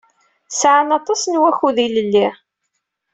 Sɛan aṭas n wakud ilelli.